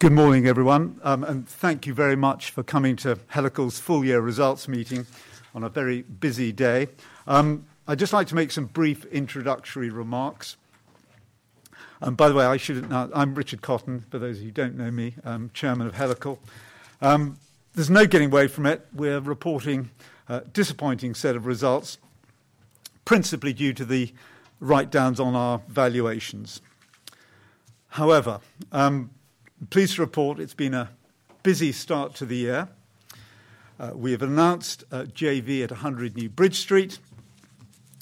Good morning, everyone, and thank you very much for coming to Helical's full-year results meeting on a very busy day. I'd just like to make some brief introductory remarks, and by the way, I should announce I'm Richard Cotton, for those of you who don't know me, I'm Chairman of Helical. There's no getting away from it, we're reporting a disappointing set of results, principally due to the write-downs on our valuations. However, pleased to report it's been a busy start to the year. We have announced a JV at 100 New Bridge Street,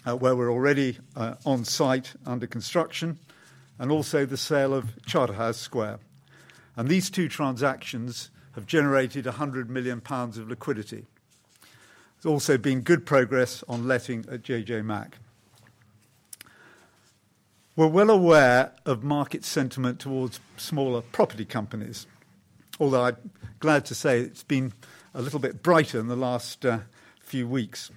where we're already on site under construction, and also the sale of Charterhouse Square. These two transactions have generated 100 million pounds of liquidity. There's also been good progress on letting at JJ Mack. We're well aware of market sentiment towards smaller property companies, although I'm glad to say it's been a little bit brighter in the last few weeks.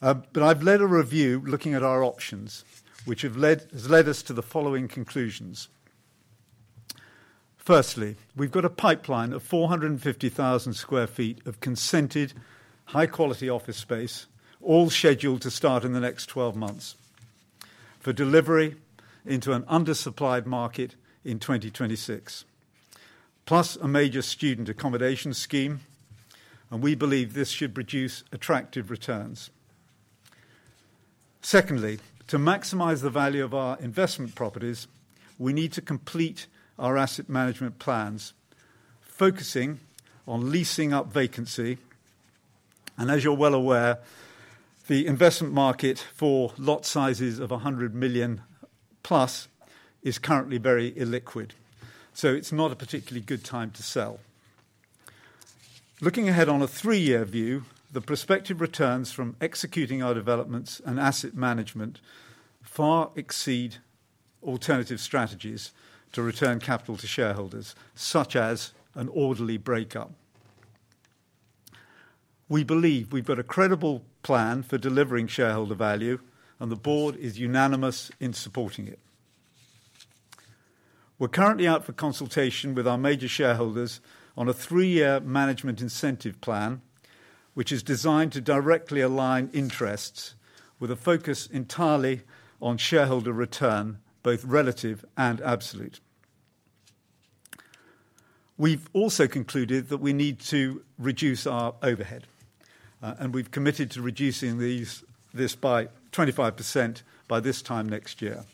But I've led a review looking at our options, which has led us to the following conclusions. Firstly, we've got a pipeline of 450,000 sq ft of consented, high-quality office space, all scheduled to start in the next 12 months, for delivery into an undersupplied market in 2026. Plus, a major student accommodation scheme, and we believe this should produce attractive returns. Secondly, to maximize the value of our investment properties, we need to complete our asset management plans, focusing on leasing up vacancy. And as you're well aware, the investment market for lot sizes of 100 million plus is currently very illiquid, so it's not a particularly good time to sell. Looking ahead on a three-year view, the prospective returns from executing our developments and asset management far exceed alternative strategies to return capital to shareholders, such as an orderly breakup. We believe we've got a credible plan for delivering shareholder value, and the Board is unanimous in supporting it. We're currently out for consultation with our major shareholders on a three-year management incentive plan, which is designed to directly align interests with a focus entirely on shareholder return, both relative and absolute. We've also concluded that we need to reduce our overhead, and we've committed to reducing this by 25% by this time next year.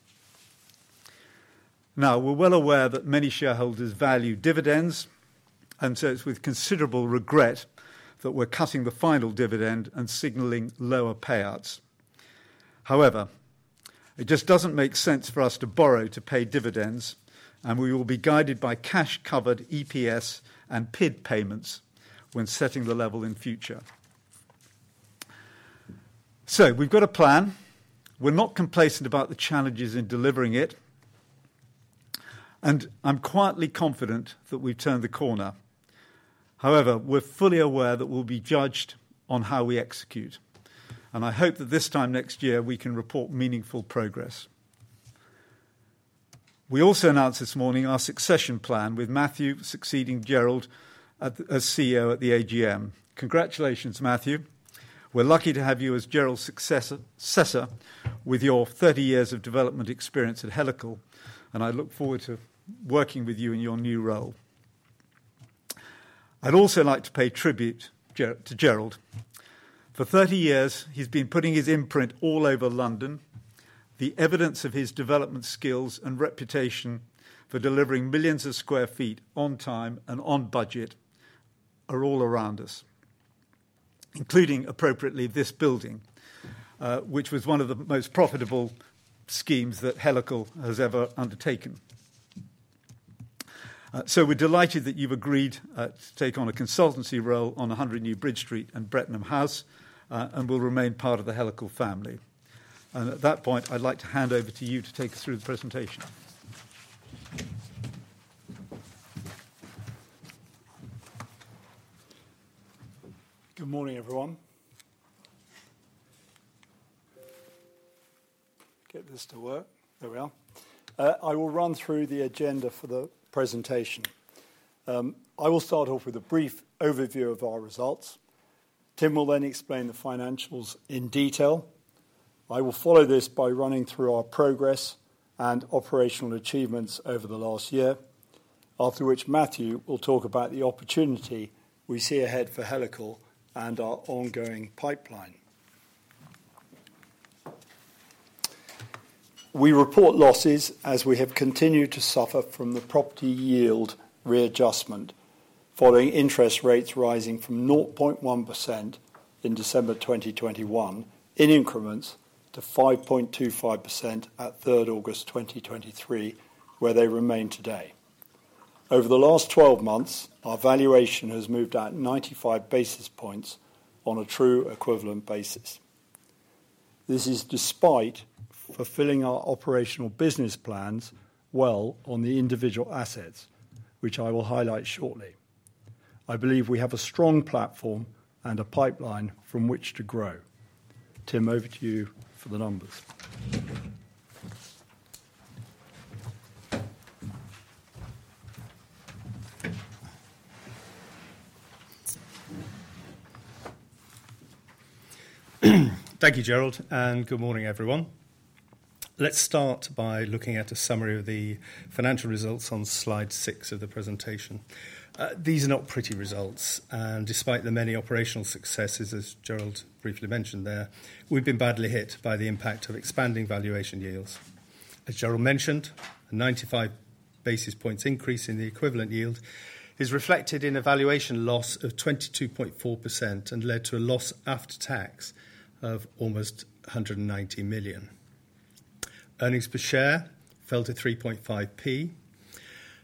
Now, we're well aware that many shareholders value dividends, and so it's with considerable regret that we're cutting the final dividend and signaling lower payouts. However, it just doesn't make sense for us to borrow to pay dividends, and we will be guided by cash-covered EPS and PID payments when setting the level in the future. So we've got a plan. We're not complacent about the challenges in delivering it, and I'm quietly confident that we've turned the corner. However, we're fully aware that we'll be judged on how we execute, and I hope that this time next year, we can report meaningful progress. We also announced this morning our succession plan, with Matthew succeeding Gerald as CEO at the AGM. Congratulations, Matthew. We're lucky to have you as Gerald's successor, with your 30 years of development experience at Helical, and I look forward to working with you in your new role. I'd also like to pay tribute to Gerald. For 30 years, he's been putting his imprint all over London. The evidence of his development skills and reputation for delivering millions of square feet on time and on budget are all around us, including, appropriately, this building, which was one of the most profitable schemes that Helical has ever undertaken. So we're delighted that you've agreed to take on a consultancy role on 100 New Bridge Street and Brettenham House, and will remain part of the Helical family. At that point, I'd like to hand over to you to take us through the presentation. Good morning, everyone. Get this to work. There we are. I will run through the agenda for the presentation. I will start off with a brief overview of our results. Tim will then explain the financials in detail. I will follow this by running through our progress and operational achievements over the last year, after which Matthew will talk about the opportunity we see ahead for Helical and our ongoing pipeline. We report losses as we have continued to suffer from the property yield readjustment, following interest rates rising from 0.1% in December 2021, in increments, to 5.25% at 3rd August 2023, where they remain today. Over the last 12 months, our valuation has moved out 95 basis points on a true equivalent basis. This is despite fulfilling our operational business plans well on the individual assets, which I will highlight shortly. I believe we have a strong platform and a pipeline from which to grow. Tim, over to you for the numbers. Thank you, Gerald, and good morning, everyone. Let's start by looking at a summary of the financial results on slide six of the presentation. These are not pretty results, and despite the many operational successes, as Gerald briefly mentioned there, we've been badly hit by the impact of expanding valuation yields. As Gerald mentioned, a 95 basis points increase in the equivalent yield is reflected in a valuation loss of 22.4% and led to a loss after tax of almost 190 million. Earnings per share fell to 3.5p,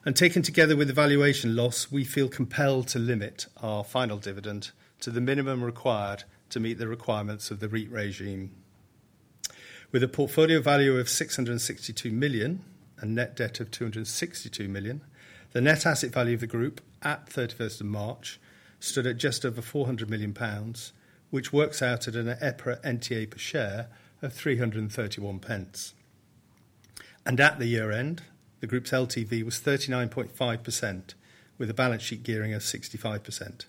and taken together with the valuation loss, we feel compelled to limit our final dividend to the minimum required to meet the requirements of the REIT regime. With a portfolio value of 662 million and net debt of 262 million, the net asset value of the group at 31st of March stood at just over 400 million pounds, which works out at an EPRA NTA per share of 331 pence. At the year-end, the group's LTV was 39.5%, with a balance sheet gearing of 65%.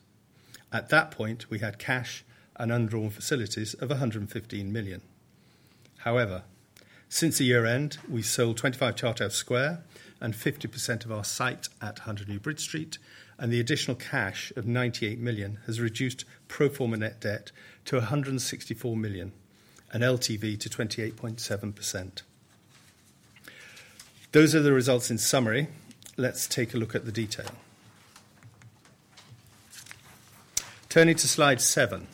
At that point, we had cash and undrawn facilities of 115 million. However, since the year-end, we sold 25 Charterhouse Square and 50% of our site at 100 New Bridge Street, and the additional cash of 98 million has reduced pro forma net debt to 164 million, and LTV to 28.7%. Those are the results in summary. Let's take a look at the detail. Turning to slide seven.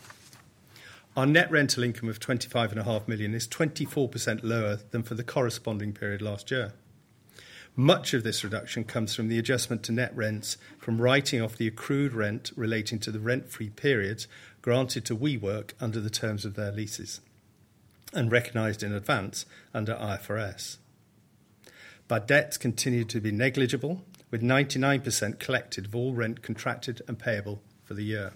Our net rental income of 25.5 million is 24% lower than for the corresponding period last year. Much of this reduction comes from the adjustment to net rents from writing off the accrued rent relating to the rent-free periods granted to WeWork under the terms of their leases, and recognized in advance under IFRS. But debts continued to be negligible, with 99% collected of all rent contracted and payable for the year.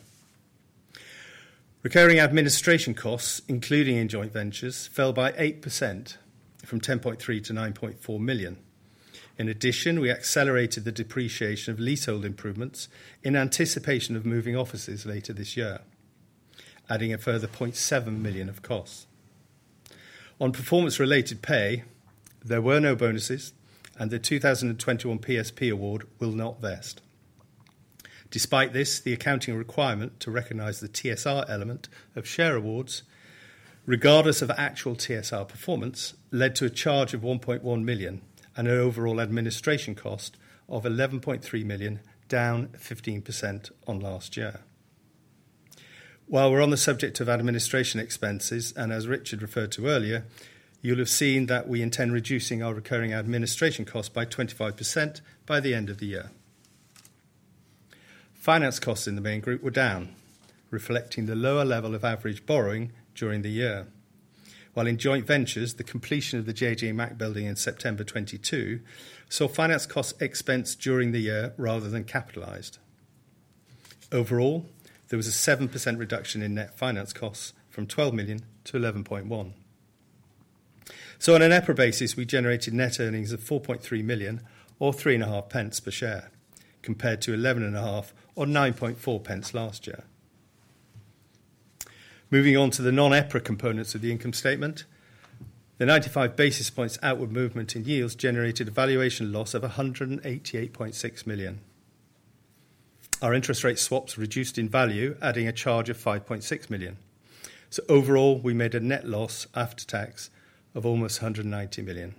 Recurring administration costs, including in joint ventures, fell by 8%, from 10.3 million to 9.4 million. In addition, we accelerated the depreciation of leasehold improvements in anticipation of moving offices later this year, adding a further 0.7 million of costs. On performance-related pay, there were no bonuses, and the 2021 PSP award will not vest. Despite this, the accounting requirement to recognize the TSR element of share awards, regardless of actual TSR performance, led to a charge of 1.1 million and an overall administration cost of 11.3 million, down 15% on last year. While we're on the subject of administration expenses, and as Richard referred to earlier, you'll have seen that we intend reducing our recurring administration costs by 25% by the end of the year. Finance costs in the main group were down, reflecting the lower level of average borrowing during the year. While in joint ventures, the completion of the JJ Mack building in September 2022, saw finance costs expensed during the year rather than capitalized. Overall, there was a 7% reduction in net finance costs from 12 million to 11.1 million. So on an EPRA basis, we generated net earnings of 4.3 million or 3.5 pence per share, compared to 11.5 or 9.4 pence last year. Moving on to the non-EPRA components of the income statement. The 95 basis points outward movement in yields generated a valuation loss of 188.6 million. Our interest rate swaps reduced in value, adding a charge of 5.6 million. So overall, we made a net loss after tax of almost 190 million.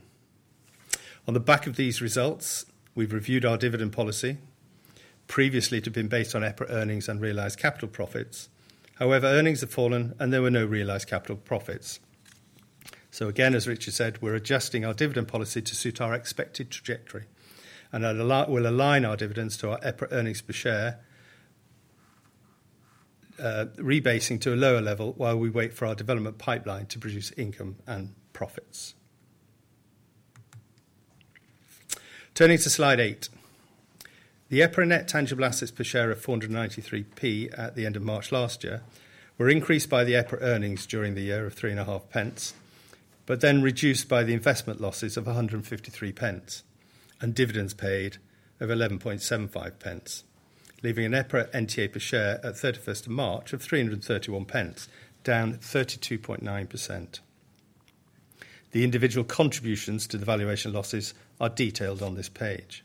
On the back of these results, we've reviewed our dividend policy. Previously, it had been based on EPRA earnings and realized capital profits. However, earnings have fallen, and there were no realized capital profits. So again, as Richard said, we're adjusting our dividend policy to suit our expected trajectory, and that will align, will align our dividends to our EPRA earnings per share, rebasing to a lower level while we wait for our development pipeline to produce income and profits. Turning to slide eight. The EPRA net tangible assets per share of 493p at the end of March last year were increased by the EPRA earnings during the year of 3.5 pence, but then reduced by the investment losses of 153 pence, and dividends paid of 11.75 pence, leaving an EPRA NTA per share at 31st of March of 331 pence, down 32.9%. The individual contributions to the valuation losses are detailed on this page.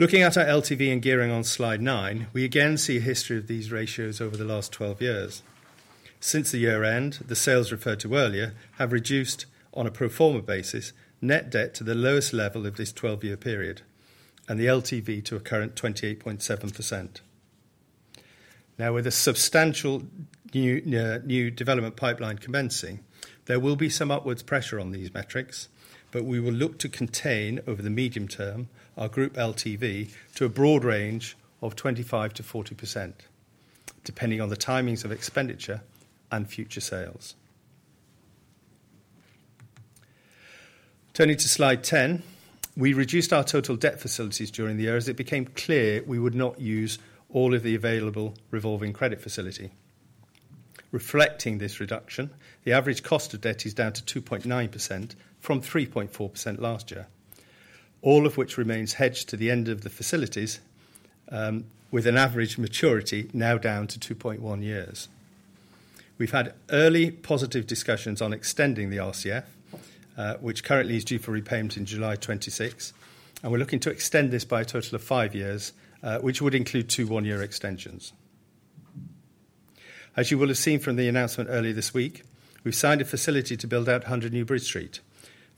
Looking at our LTV and gearing on slide nine, we again see a history of these ratios over the last 12 years. Since the year-end, the sales referred to earlier have reduced, on a pro forma basis, net debt to the lowest level of this 12-year period, and the LTV to a current 28.7%. Now, with a substantial new development pipeline commencing, there will be some upward pressure on these metrics, but we will look to contain, over the medium term, our group LTV to a broad range of 25%-40%, depending on the timings of expenditure and future sales. Turning to slide 10, we reduced our total debt facilities during the year as it became clear we would not use all of the available revolving credit facility. Reflecting this reduction, the average cost of debt is down to 2.9% from 3.4% last year, all of which remains hedged to the end of the facilities, with an average maturity now down to 2.1 years. We've had early positive discussions on extending the RCF, which currently is due for repayment in July 2026, and we're looking to extend this by a total of five years, which would include two, one-year extensions. As you will have seen from the announcement earlier this week, we've signed a facility to build out 100 New Bridge Street.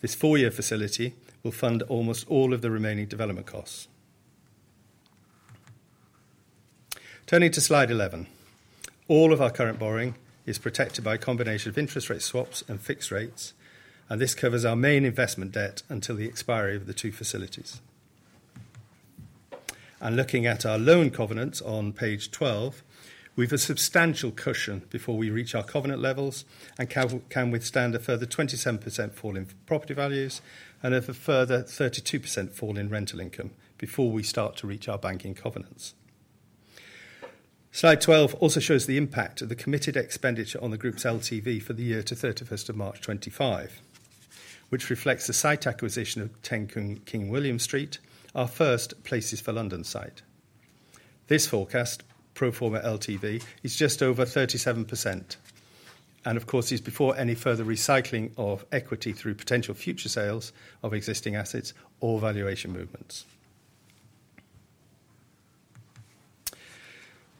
This four-year facility will fund almost all of the remaining development costs. Turning to slide 11, all of our current borrowing is protected by a combination of interest rate swaps and fixed rates, and this covers our main investment debt until the expiry of the two facilities. And looking at our loan covenants on page 12, we've a substantial cushion before we reach our covenant levels, and can withstand a further 27% fall in property values, and a further 32% fall in rental income before we start to reach our banking covenants. Slide 12 also shows the impact of the committed expenditure on the Group's LTV for the year to 31st March of 2025, which reflects the site acquisition of 10 King William Street, our first Places for London site. This forecast, pro forma LTV, is just over 37%, and of course, is before any further recycling of equity through potential future sales of existing assets or valuation movements.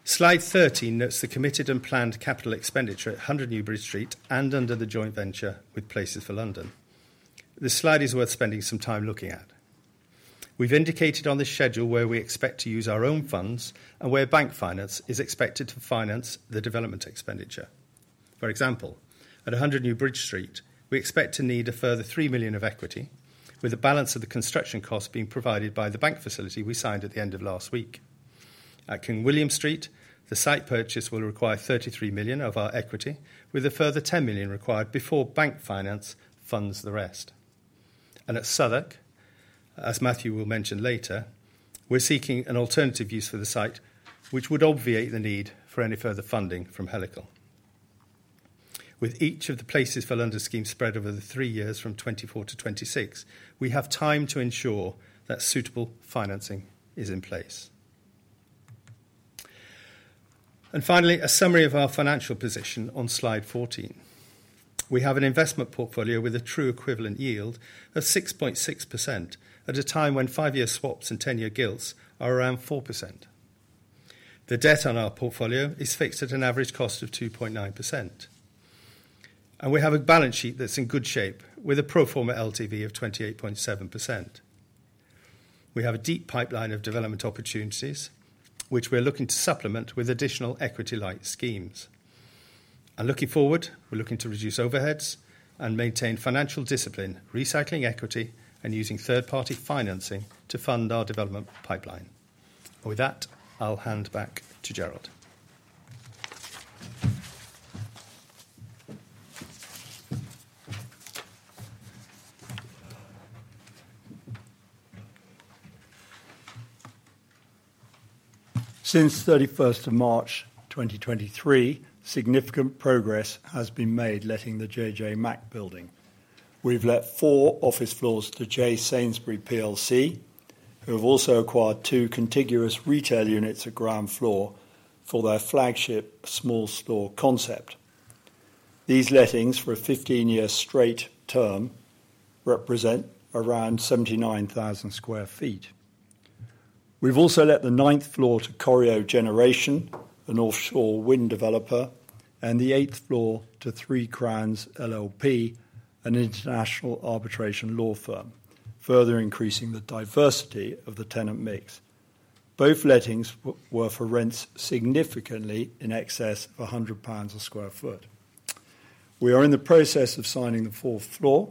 Slide 13 notes the committed and planned capital expenditure at 100 New Bridge Street and under the joint venture with Places for London. This slide is worth spending some time looking at. We've indicated on this schedule where we expect to use our own funds and where bank finance is expected to finance the development expenditure. For example, at 100 New Bridge Street, we expect to need a further 3 million of equity, with the balance of the construction cost being provided by the bank facility we signed at the end of last week. At King William Street, the site purchase will require 33 million of our equity, with a further 10 million required before bank finance funds the rest. At Southwark, as Matthew will mention later, we're seeking an alternative use for the site, which would obviate the need for any further funding from Helical. With each of the Places for London schemes spread over the three years from 2024 to 2026, we have time to ensure that suitable financing is in place. Finally, a summary of our financial position on slide 14. We have an investment portfolio with a true equivalent yield of 6.6%, at a time when five-year swaps and 10-year gilts are around 4%. The debt on our portfolio is fixed at an average cost of 2.9%, and we have a balance sheet that's in good shape, with a pro forma LTV of 28.7%. We have a deep pipeline of development opportunities, which we are looking to supplement with additional equity-light schemes. Looking forward, we're looking to reduce overheads and maintain financial discipline, recycling equity, and using third-party financing to fund our development pipeline. With that, I'll hand back to Gerald. Since 31st March 2023, significant progress has been made letting The JJ Mack Building. We've let four office floors to J Sainsbury plc, who have also acquired two contiguous retail units at ground floor for their flagship small store concept. These lettings for a 15-year straight term represent around 79,000 sq ft. We've also let the ninth floor to Corio Generation, an offshore wind developer, and the eighth floor to Three Crowns LLP, an international arbitration law firm, further increasing the diversity of the tenant mix. Both lettings were for rents significantly in excess of 100 pounds a sq ft. We are in the process of signing the fourth floor,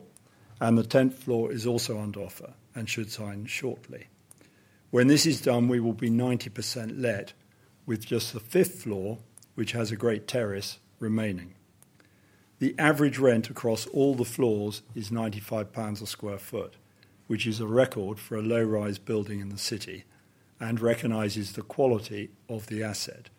and the 10th floor is also under offer and should sign shortly. When this is done, we will be 90% let, with just the fifth floor, which has a great terrace, remaining. The average rent across all the floors is 95 pounds/sq ft, which is a record for a low-rise building in the city and recognizes the quality of the asset,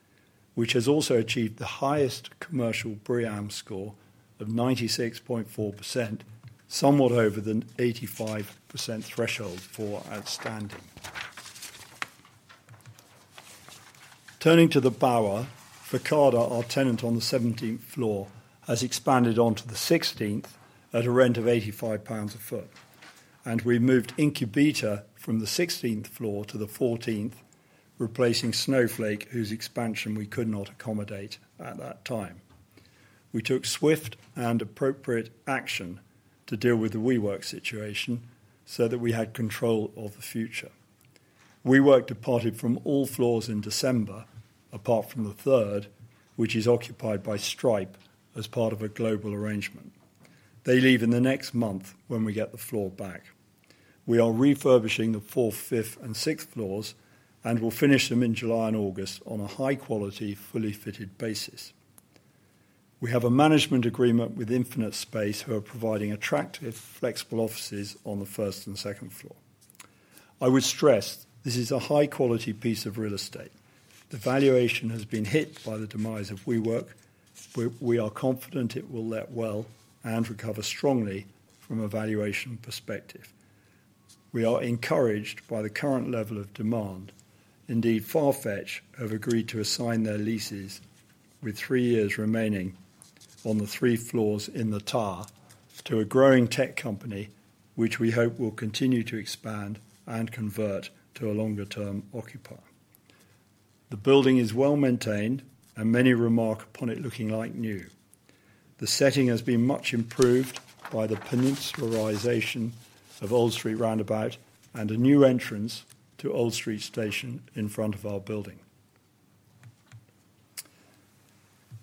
which has also achieved the highest commercial BREEAM score of 96.4%, somewhat over the 85% threshold for outstanding. Turning to The Bower, Verkada, our tenant on the 17th floor, has expanded onto the 16th at a rent of 85 pounds/sq ft, and we moved Incubeta from the 16th floor to the 14th, replacing Snowflake, whose expansion we could not accommodate at that time. We took swift and appropriate action to deal with the WeWork situation so that we had control of the future. WeWork departed from all floors in December, apart from the third, which is occupied by Stripe as part of a global arrangement. They leave in the next month when we get the floor back. We are refurbishing the fourth, fifth, and sixth floors, and we'll finish them in July and August on a high-quality, fully fitted basis. We have a management agreement with infinitSpace, who are providing attractive, flexible offices on the first and second floor. I would stress, this is a high-quality piece of real estate. The valuation has been hit by the demise of WeWork, but we are confident it will let well and recover strongly from a valuation perspective. We are encouraged by the current level of demand. Indeed, Farfetch have agreed to assign their leases, with three years remaining, on the three floors in the tower to a growing tech company, which we hope will continue to expand and convert to a longer-term occupier. The building is well-maintained, and many remark upon it looking like new. The setting has been much improved by the peninsularization of Old Street roundabout and a new entrance to Old Street station in front of our building.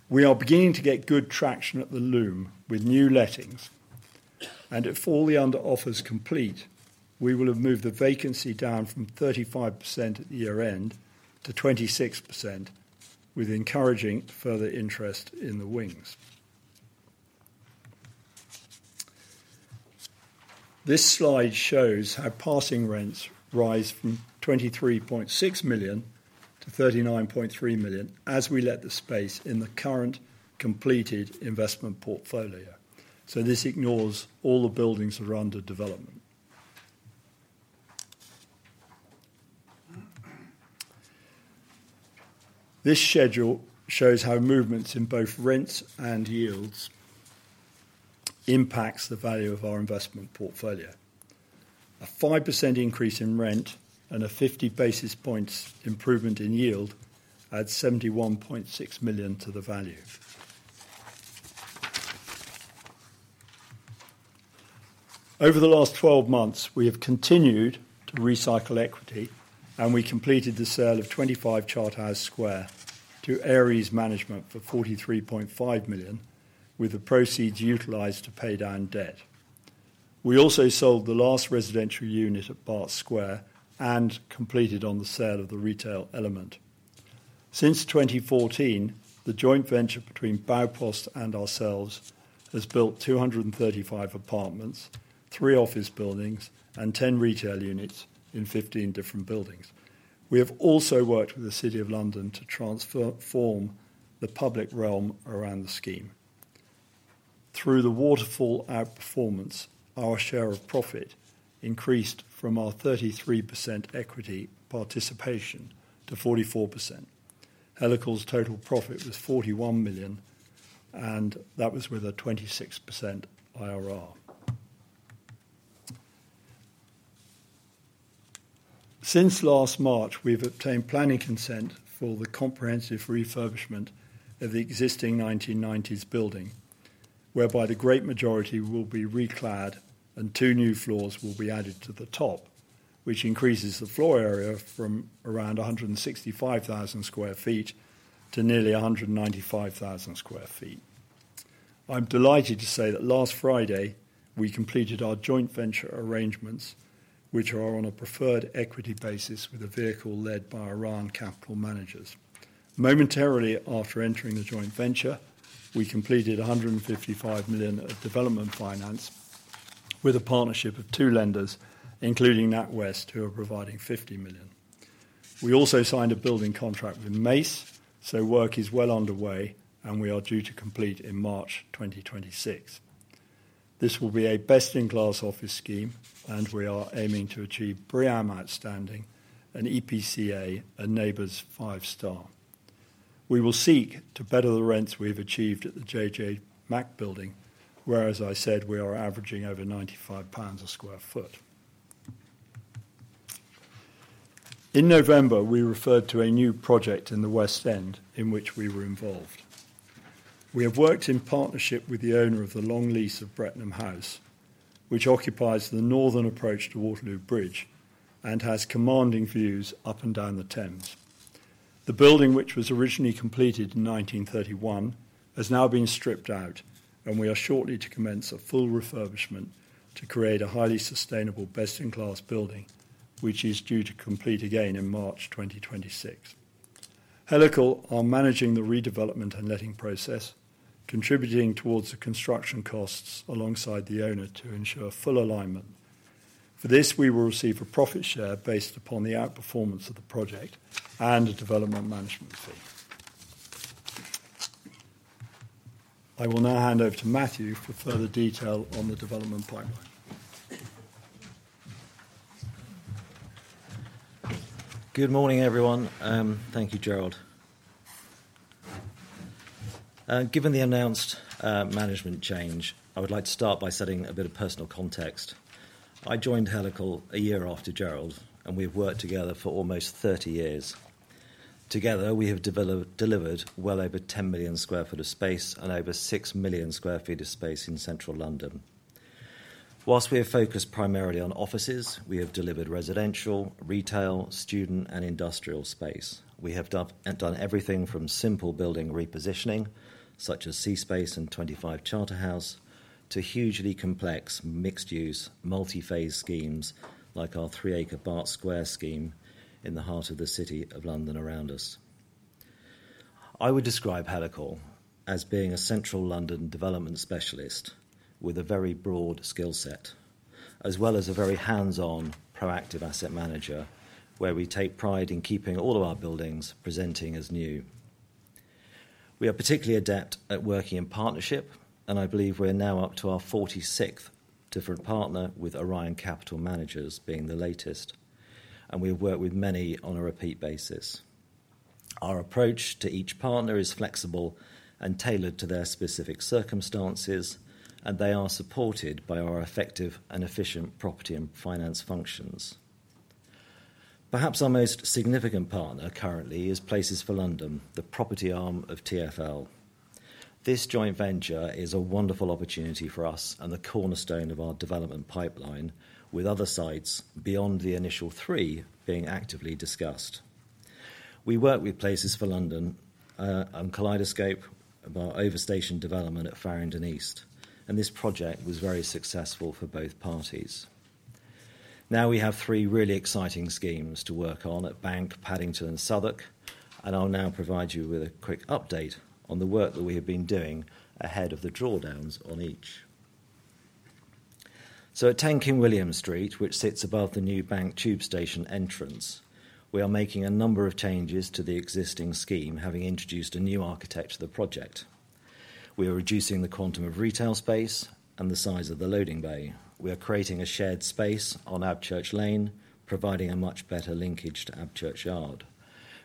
We are beginning to get good traction at The Loom with new lettings, and if all the under offers complete, we will have moved the vacancy down from 35% at the year-end to 26%, with encouraging further interest in the wings. This slide shows how passing rents rise from 23.6 million-39.3 million as we let the space in the current completed investment portfolio. So this ignores all the buildings that are under development. This schedule shows how movements in both rents and yields impacts the value of our investment portfolio. A 5% increase in rent and a 50 basis points improvement in yield adds 71.6 million to the value. Over the last 12 months, we have continued to recycle equity, and we completed the sale of 25 Charterhouse Square to Ares Management for 43.5 million, with the proceeds utilized to pay down debt. We also sold the last residential unit at Barts Square and completed on the sale of the retail element. Since 2014, the joint venture between Baupost and ourselves has built 235 apartments, three office buildings, and 10 retail units in 15 different buildings. We have also worked with the City of London to transform the public realm around the scheme. Through the waterfall outperformance, our share of profit increased from our 33% equity participation to 44%. Helical's total profit was 41 million, and that was with a 26% IRR. Since last March, we've obtained planning consent for the comprehensive refurbishment of the existing 1990s building, whereby the great majority will be reclad, and two new floors will be added to the top, which increases the floor area from around 165,000 sq ft to nearly 195,000 sq ft. I'm delighted to say that last Friday, we completed our joint venture arrangements, which are on a preferred equity basis with a vehicle led by Orion Capital Managers. Momentarily after entering the joint venture, we completed 155 million of development finance with a partnership of two lenders, including NatWest, who are providing 50 million. We also signed a building contract with Mace, so work is well underway, and we are due to complete in March 2026. This will be a best-in-class office scheme, and we are aiming to achieve BREEAM Outstanding, an EPC A, a NABERS five-star. We will seek to better the rents we have achieved at the JJ Mack Building, where, as I said, we are averaging over 95 pounds a sq ft. In November, we referred to a new project in the West End in which we were involved. We have worked in partnership with the owner of the long lease of Brettenham House, which occupies the northern approach to Waterloo Bridge and has commanding views up and down the Thames. The building, which was originally completed in 1931, has now been stripped out, and we are shortly to commence a full refurbishment to create a highly sustainable, best-in-class building, which is due to complete again in March 2026. Helical are managing the redevelopment and letting process, contributing towards the construction costs alongside the owner to ensure full alignment. For this, we will receive a profit share based upon the outperformance of the project and a development management fee. I will now hand over to Matthew for further detail on the development pipeline. Good morning, everyone. Thank you, Gerald. Given the announced management change, I would like to start by setting a bit of personal context. I joined Helical a year after Gerald, and we've worked together for almost 30 years. Together, we have delivered well over 10 million sq ft of space and over 6 million sq ft of space in central London. Whilst we are focused primarily on offices, we have delivered residential, retail, student, and industrial space. We have done everything from simple building repositioning, such as C-Space and 25 Charterhouse to hugely complex, mixed-use, multi-phase schemes, like our 3-acre Barts Square scheme in the heart of the City of London around us. I would describe Helical as being a central London development specialist with a very broad skill set, as well as a very hands-on, proactive asset manager, where we take pride in keeping all of our buildings presenting as new. We are particularly adept at working in partnership, and I believe we're now up to our 46th different partner, with Orion Capital Managers being the latest, and we've worked with many on a repeat basis. Our approach to each partner is flexible and tailored to their specific circumstances, and they are supported by our effective and efficient property and finance functions. Perhaps our most significant partner currently is Places for London, the property arm of TfL. This joint venture is a wonderful opportunity for us and the cornerstone of our development pipeline, with other sites beyond the initial 3 being actively discussed. We worked with Places for London on Kaleidoscope, our over-station development at Farringdon East, and this project was very successful for both parties. Now, we have three really exciting schemes to work on at Bank, Paddington, and Southwark, and I'll now provide you with a quick update on the work that we have been doing ahead of the drawdowns on each. So at 10 King William Street, which sits above the new Bank tube station entrance, we are making a number of changes to the existing scheme, having introduced a new architect to the project. We are reducing the quantum of retail space and the size of the loading bay. We are creating a shared space on Abchurch Lane, providing a much better linkage to Abchurch Yard.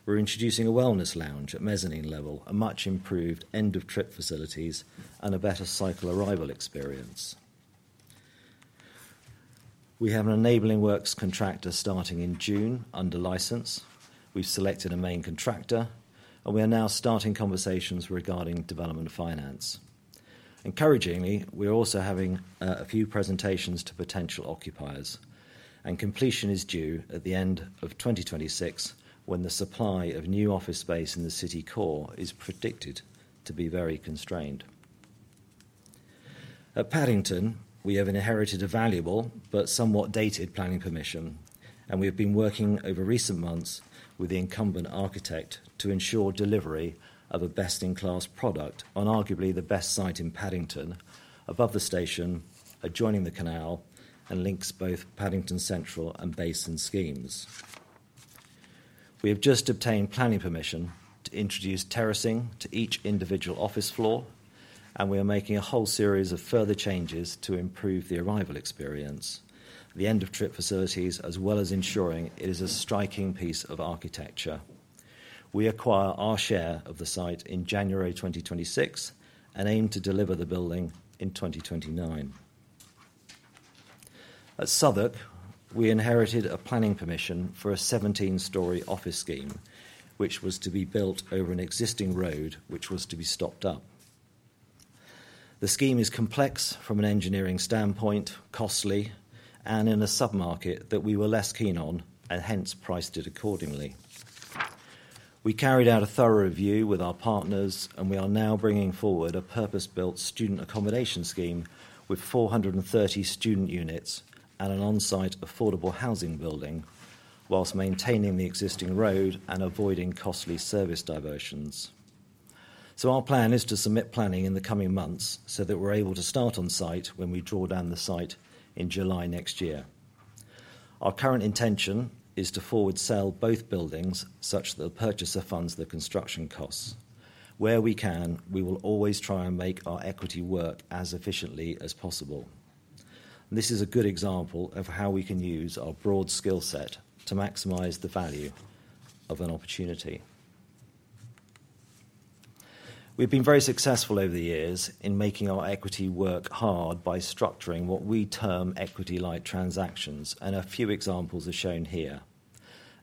We're introducing a wellness lounge at mezzanine level, a much-improved end-of-trip facilities, and a better cycle arrival experience. We have an enabling works contractor starting in June under license. We've selected a main contractor, and we are now starting conversations regarding development finance. Encouragingly, we are also having a few presentations to potential occupiers, and completion is due at the end of 2026, when the supply of new office space in the city core is predicted to be very constrained. At Paddington, we have inherited a valuable but somewhat dated planning permission, and we have been working over recent months with the incumbent architect to ensure delivery of a best-in-class product on arguably the best site in Paddington, above the station, adjoining the canal, and links both Paddington Central and Basin schemes. We have just obtained planning permission to introduce terracing to each individual office floor, and we are making a whole series of further changes to improve the arrival experience, the end-of-trip facilities, as well as ensuring it is a striking piece of architecture. We acquire our share of the site in January 2026 and aim to deliver the building in 2029. At Southwark, we inherited a planning permission for a 17-story office scheme, which was to be built over an existing road, which was to be stopped up. The scheme is complex from an engineering standpoint, costly, and in a sub-market that we were less keen on, and hence priced it accordingly. We carried out a thorough review with our partners, and we are now bringing forward a purpose-built student accommodation scheme with 430 student units and an on-site affordable housing building, while maintaining the existing road and avoiding costly service diversions. So our plan is to submit planning in the coming months, so that we're able to start on site when we draw down the site in July next year. Our current intention is to forward-sell both buildings, such that the purchaser funds the construction costs. Where we can, we will always try and make our equity work as efficiently as possible. This is a good example of how we can use our broad skill set to maximize the value of an opportunity. We've been very successful over the years in making our equity work hard by structuring what we term equity-like transactions, and a few examples are shown here.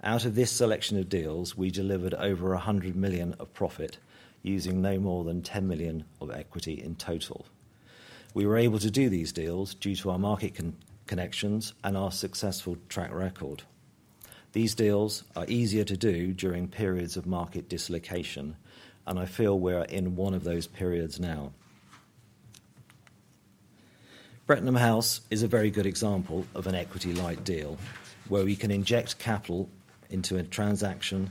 Out of this selection of deals, we delivered over 100 million of profit, using no more than 10 million of equity in total. We were able to do these deals due to our market connections and our successful track record. These deals are easier to do during periods of market dislocation, and I feel we're in one of those periods now. Brettenham House is a very good example of an equity-like deal, where we can inject capital into a transaction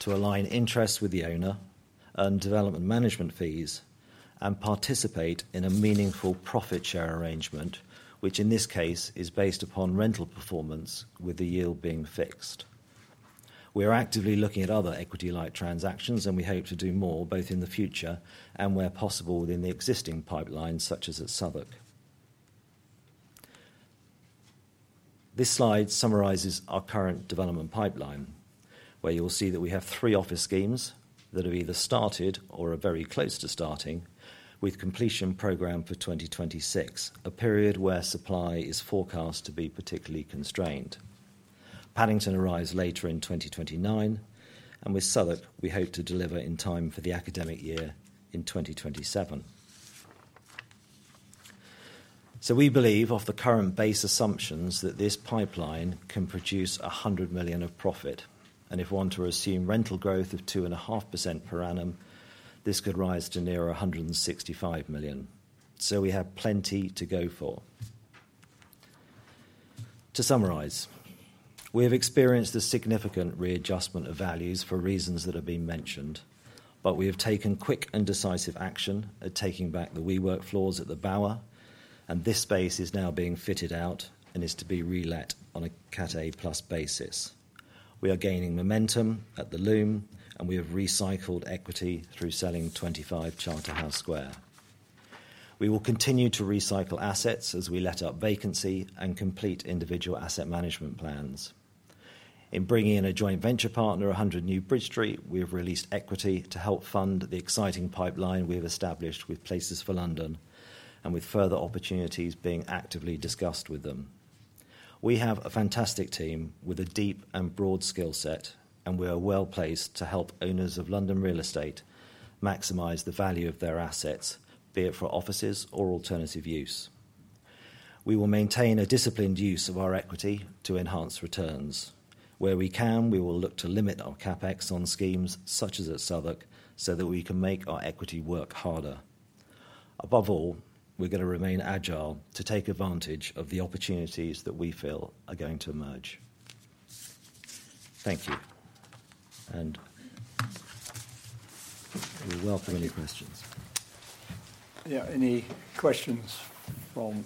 to align interests with the owner, earn development management fees, and participate in a meaningful profit-share arrangement, which, in this case, is based upon rental performance, with the yield being fixed. We are actively looking at other equity-like transactions, and we hope to do more, both in the future and where possible, within the existing pipeline, such as at Southwark. This slide summarizes our current development pipeline, where you will see that we have three office schemes that have either started or are very close to starting, with completion programmed for 2026, a period where supply is forecast to be particularly constrained. Paddington arrives later in 2029, and with Southwark, we hope to deliver in time for the academic year in 2027. So we believe, off the current base assumptions, that this pipeline can produce 100 million of profit. And if one were to assume rental growth of 2.5% per annum, this could rise to nearer 165 million. So we have plenty to go for. To summarize, we have experienced a significant readjustment of values for reasons that have been mentioned, but we have taken quick and decisive action at taking back the WeWork floors at The Bower, and this space is now being fitted out and is to be re-let on a Cat A+ basis. We are gaining momentum at The Loom, and we have recycled equity through selling 25 Charterhouse Square. We will continue to recycle assets as we let up vacancy and complete individual asset management plans. In bringing in a joint venture partner, 100 New Bridge Street, we have released equity to help fund the exciting pipeline we have established with Places for London, and with further opportunities being actively discussed with them. We have a fantastic team with a deep and broad skill set, and we are well-placed to help owners of London real estate maximize the value of their assets, be it for offices or alternative use. We will maintain a disciplined use of our equity to enhance returns. Where we can, we will look to limit our CapEx on schemes, such as at Southwark, so that we can make our equity work harder. Above all, we're gonna remain agile to take advantage of the opportunities that we feel are going to emerge. Thank you, and we welcome any questions. Yeah, any questions from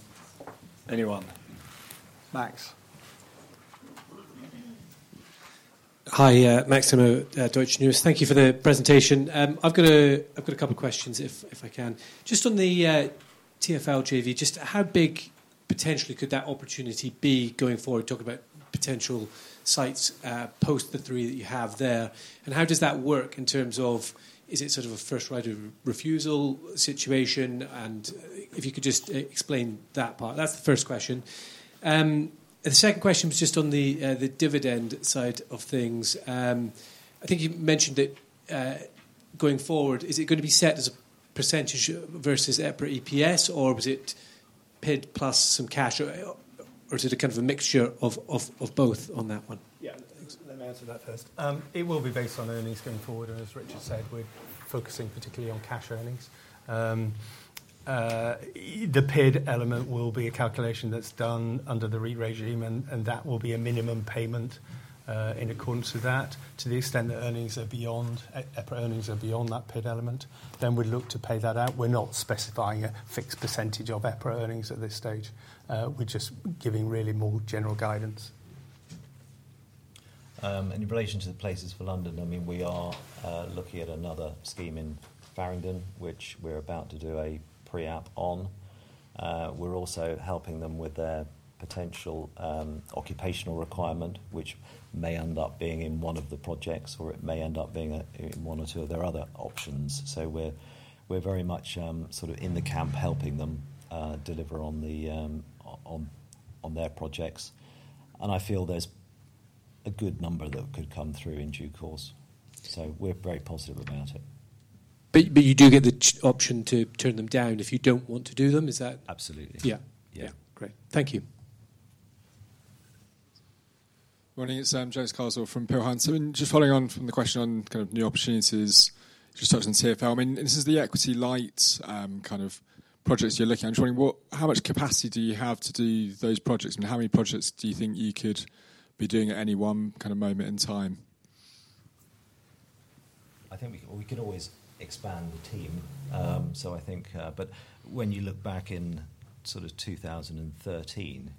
anyone? Max. Hi, Maximo at Deutsche Numis. Thank you for the presentation. I've got a couple questions, if I can. Just on the TfL JV, just how big potentially could that opportunity be going forward? Talk about potential sites, post the three that you have there, and how does that work in terms of is it sort of a first right of refusal situation? And if you could just explain that part. That's the first question. The second question was just on the dividend side of things. I think you mentioned it, going forward, is it gonna be set as a percentage versus EPRA EPS, or was it PID plus some cash, or is it a kind of a mixture of both on that one? Yeah. Let me answer that first. It will be based on earnings going forward, and as Richard said, we're focusing particularly on cash earnings. The PID element will be a calculation that's done under the REIT regime, and that will be a minimum payment. In accordance with that, to the extent that earnings are beyond EPRA earnings are beyond that PID element, then we'd look to pay that out. We're not specifying a fixed percentage of EPRA earnings at this stage. We're just giving really more general guidance. And in relation to the Places for London, I mean, we are looking at another scheme in Farringdon, which we're about to do a pre-app on. We're also helping them with their potential occupational requirement, which may end up being in one of the projects, or it may end up being in one or two of their other options. So we're very much sort of in the camp, helping them deliver on their projects, and I feel there's a good number that could come through in due course. So we're very positive about it. But you do get the option to turn them down if you don't want to do them, is that? Absolutely. Yeah. Yeah. Great. Thank you. Morning, it's James Carswell from Peel Hunt. Just following on from the question on kind of new opportunities, just touched on TfL. I mean, this is the equity-light kind of projects you're looking at. I'm just wondering, what, how much capacity do you have to do those projects, and how many projects do you think you could be doing at any one kind of moment in time? I think we can, we can always expand the team. So I think, but when you look back in sort of 2013,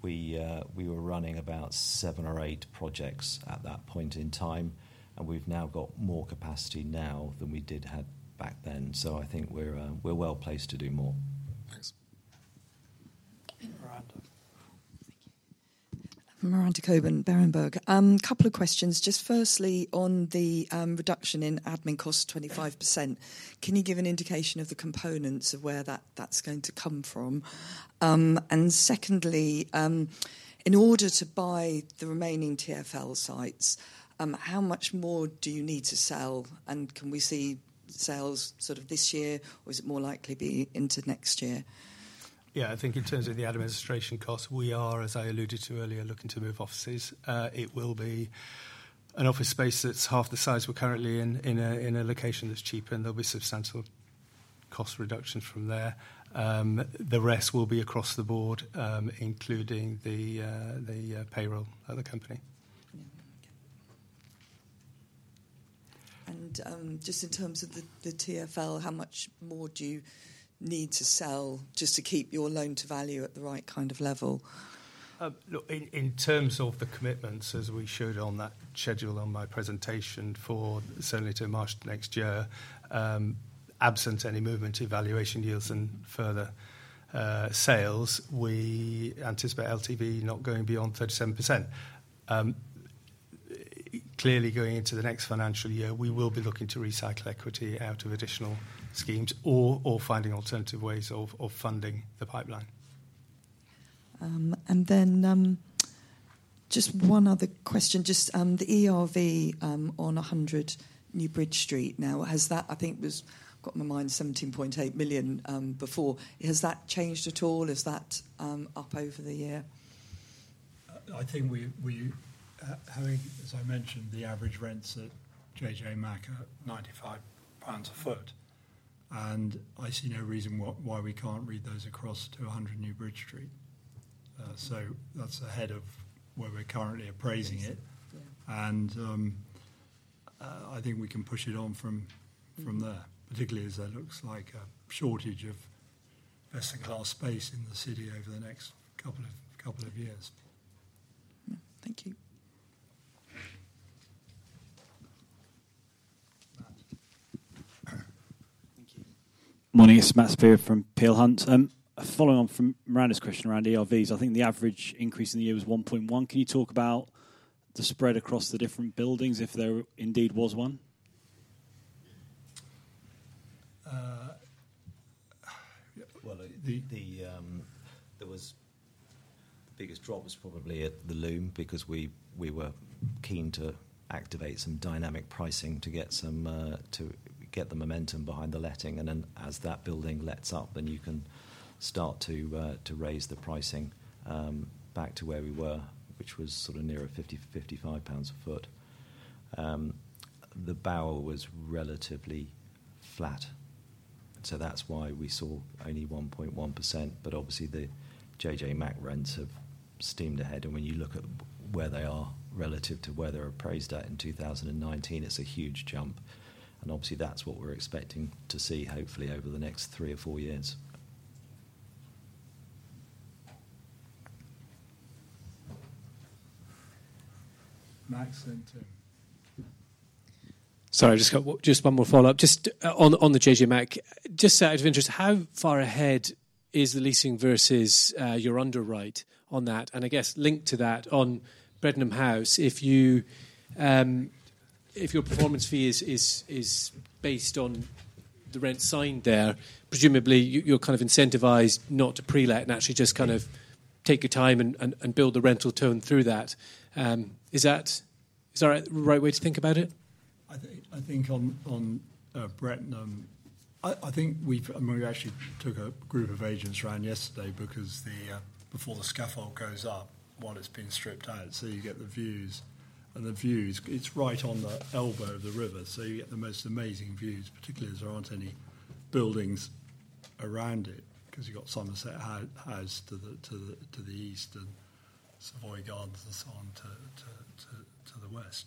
we, we were running about seven or eight projects at that point in time, and we've now got more capacity now than we did have back then. So I think we're, we're well-placed to do more. Thanks. Miranda. Thank you. Miranda Cockburn, Berenberg. A couple of questions. Just firstly, on the reduction in admin costs, 25%, can you give an indication of the components of where that's going to come from? And secondly, in order to buy the remaining TfL sites, how much more do you need to sell, and can we see sales sort of this year, or is it more likely be into next year? Yeah, I think in terms of the administration cost, we are, as I alluded to earlier, looking to move offices. It will be an office space that's half the size we're currently in, in a location that's cheaper, and there'll be substantial cost reductions from there. The rest will be across the board, including the payroll of the company. Yeah. Thank you. And, just in terms of the, the TfL, how much more do you need to sell just to keep your loan-to-value at the right kind of level? Look, in terms of the commitments as we showed on that schedule on my presentation for certainly to March next year, absent any movement in valuation yields and further sales, we anticipate LTV not going beyond 37%. Clearly, going into the next financial year, we will be looking to recycle equity out of additional schemes or finding alternative ways of funding the pipeline. And then, just one other question. Just the ERV on 100 New Bridge Street. Now, has that, I think, got in my mind 17.8 million before. Has that changed at all? Is that up over the year? I think, as I mentioned, the average rents at JJ Mack are 95 pounds a foot, and I see no reason why we can't read those across to 100 New Bridge Street. So that's ahead of where we're currently appraising it. Yeah. I think we can push it on from there, particularly as there looks like a shortage of investing class space in the city over the next couple of years. Thank you. Thank you. Morning, it's Matt Saperia from Peel Hunt. Following on from Miranda's question around ERVs, I think the average increase in the year was 1.1%. Can you talk about the spread across the different buildings, if there indeed was one? Well, there was the biggest drop was probably at The Loom because we were keen to activate some dynamic pricing to get some, to get the momentum behind the letting. And then, as that building lets up, then you can start to, to raise the pricing, back to where we were, which was sort of near 50-55 pounds per sq ft. The Bower was relatively flat, so that's why we saw only 1.1%. But obviously, the JJ Mack rents have steamed ahead, and when you look at where they are relative to where they're appraised at in 2019, it's a huge jump. And obviously, that's what we're expecting to see, hopefully, over the next three or four years. Max, enter. Sorry, I've just got one, just one more follow-up. Just, on the JJ Mack, just out of interest, how far ahead is the leasing versus your underwrite on that? And I guess linked to that, on Brettenham House, if you, if your performance fee is based on the rent signed there, presumably you kind of incentivized not to pre-let and actually just kind of take your time and build the rental tone through that. Is that the right way to think about it? I think on Brettenham. I think we've and we actually took a group of agents around yesterday because the before the scaffold goes up, while it's being stripped out, so you get the views. And the views, it's right on the elbow of the river, so you get the most amazing views, particularly as there aren't any buildings around it, 'cause you got Somerset House to the east and Savoy Gardens and so on to the west.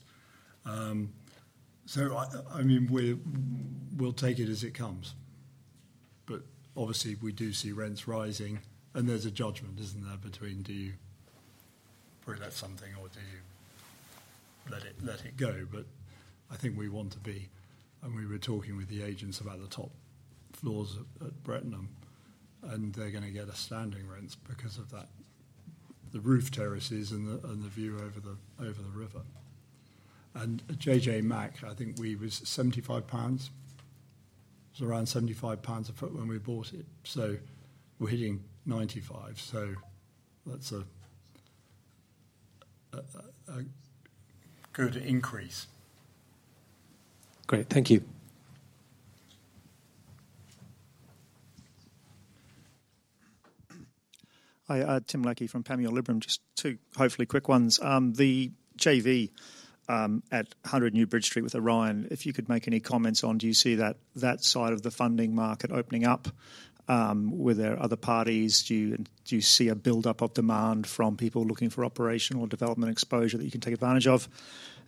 So I mean, we're, we'll take it as it comes. But obviously, we do see rents rising, and there's a judgment, isn't there, between do you pre-let something or do you let it, let it go? But I think we want to be. We were talking with the agents about the top floors at Brettenham, and they're gonna get standing rents because of that, the roof terraces and the view over the river. At JJ Mack, I think we was GBP 75. It was around 75 pounds a foot when we bought it, so we're hitting 95. So that's a good increase. Great. Thank you. Hi, Tim Leckie from Panmure Liberum. Just two, hopefully, quick ones. The JV at 100 New Bridge Street with Orion, if you could make any comments on, do you see that side of the funding market opening up? Were there other parties? Do you see a buildup of demand from people looking for operational development exposure that you can take advantage of?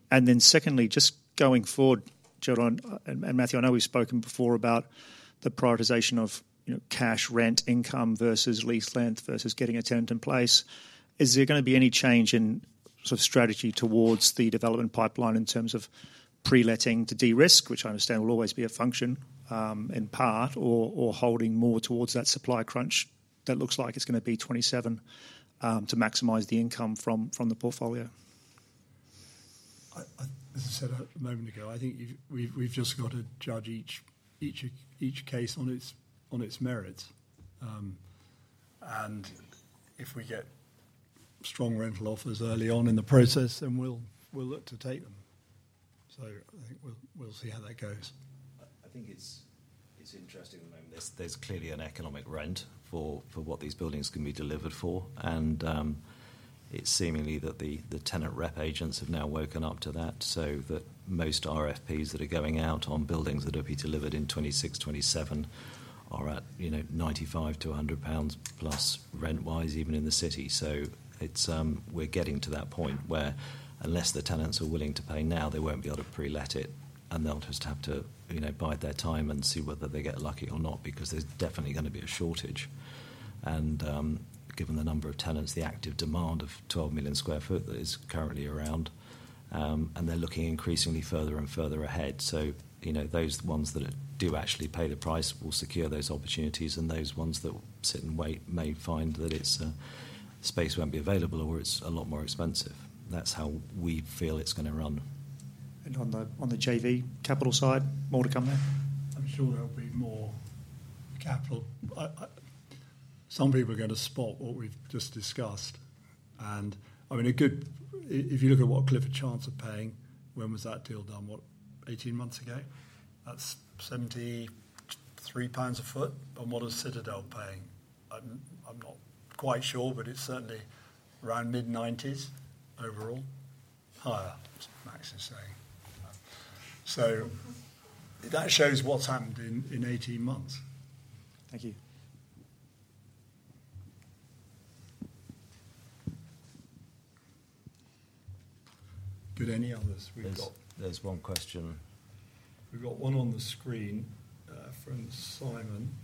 And then secondly, just going forward, Gerald and Matthew, I know we've spoken before about the prioritization of, you know, cash rent income versus lease length versus getting a tenant in place. Is there gonna be any change in sort of strategy towards the development pipeline in terms of pre-letting to de-risk, which I understand will always be a function, in part, or holding more towards that supply crunch that looks like it's gonna be 27, to maximize the income from the portfolio? As I said a moment ago, I think we've just got to judge each case on its merits. And if we get strong rental offers early on in the process, then we'll look to take them. So I think we'll see how that goes. I think it's interesting at the moment. There's clearly an economic rent for what these buildings can be delivered for. And it's seemingly that the tenant rep agents have now woken up to that, so that most RFPs that are going out on buildings that will be delivered in 2026, 2027 are at, you know, 95-100+ pounds rent-wise, even in the city. So it's we're getting to that point where, unless the tenants are willing to pay now, they won't be able to pre-let it, and they'll just have to, you know, bide their time and see whether they get lucky or not, because there's definitely gonna be a shortage. And given the number of tenants, the active demand of 12 million sq ft is currently around, and they're looking increasingly further and further ahead. So, you know, those ones that do actually pay the price will secure those opportunities, and those ones that sit and wait may find that it's space won't be available or it's a lot more expensive. That's how we feel it's gonna run. On the JV capital side, more to come there? I'm sure there'll be more capital. Some people are gonna spot what we've just discussed, and I mean, if you look at what Clifford Chance are paying, when was that deal done? What, 18 months ago? That's 73 pounds a foot. But what is Citadel paying? I'm not quite sure, but it's certainly around mid-90s overall. Higher, Max is saying. So that shows what's happened in 18 months. Thank you. Good. Any others? We've got- There's one question. We've got one on the screen, from Simon.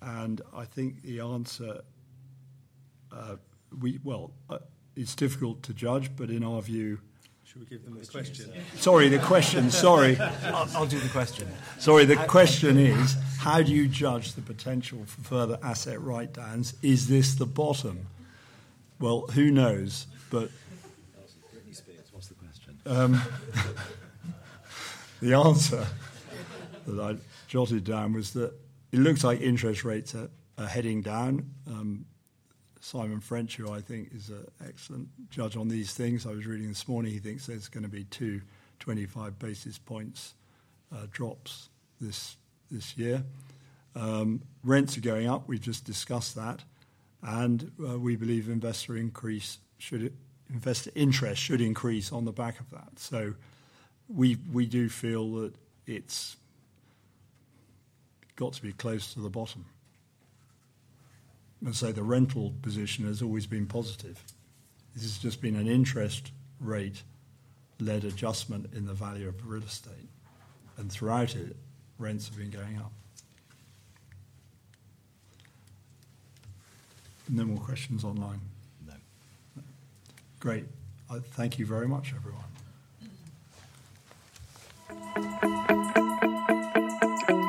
And I think the answer. Well, it's difficult to judge, but in our view- Should we give them the question? Sorry, the question. Sorry. I'll do the question. Sorry, the question is, how do you judge the potential for further asset write-downs? Is this the bottom? Well, who knows? But- Britney Spears, what's the question? The answer that I jotted down was that it looks like interest rates are heading down. Simon French, who I think is an excellent judge on these things, I was reading this morning, he thinks there's gonna be 25 basis points drops this year. Rents are going up. We've just discussed that, and we believe investor interest should increase on the back of that. So we do feel that it's got to be close to the bottom. As I say, the rental position has always been positive. This has just been an interest rate-led adjustment in the value of real estate, and throughout it, rents have been going up. No more questions online? No. Great. Thank you very much, everyone.